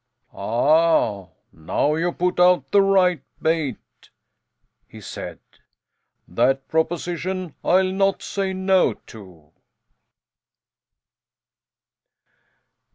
"Ah, now you put out the right bait!" he said. "That proposition I'll not say no to."